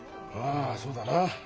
ああそうだな。